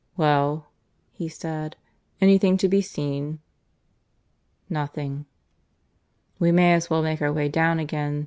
"Well," he said, "anything to be seen?" "Nothing." "We may as well make our way down again.